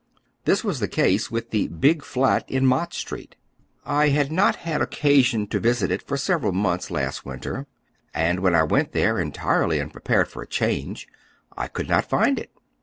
Tliat was the case with the "Big Fiat" in Mott Street. I had not had occasion to visit it for several months last winter, and when I went there, entirely unprepared for a change, I cx)uld not find it.